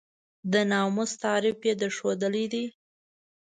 د ناموس تعریف یې درښودلی دی.